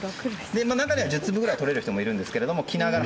中には１０粒ぐらい採れる人もいるんですけど。